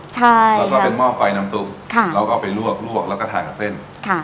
ใช่แล้วก็เป็นหม้อไฟน้ำซุปแล้วก็เอาไปลวกลวกแล้วก็ทานกับเส้นค่ะ